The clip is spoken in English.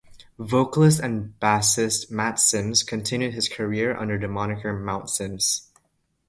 Vocalist and bassist Matt Sims continued his career under the moniker Mount Sims.